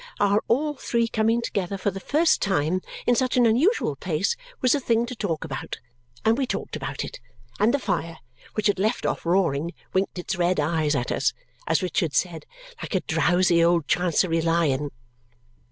Our all three coming together for the first time in such an unusual place was a thing to talk about, and we talked about it; and the fire, which had left off roaring, winked its red eyes at us as Richard said like a drowsy old Chancery lion.